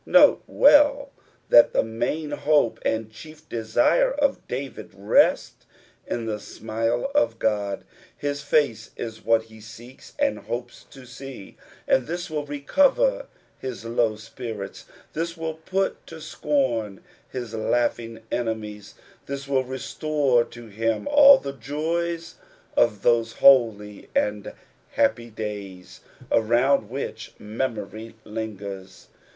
Note well that the main hope and chief desire of David rest in the smile of God. His face is what he seeks and hopes to see, and this will recover his low spirits, this will put to scorn his laughing enemies, this will restore to him all the joys of those holy and happy days around which memory lingers.